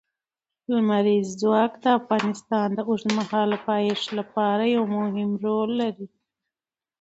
لمریز ځواک د افغانستان د اوږدمهاله پایښت لپاره یو مهم رول لري.